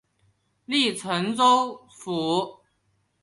隶辰州府。